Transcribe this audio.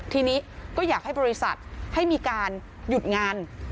ทีนี้ก็อยากให้บริษัทให้มีการหยุดงาน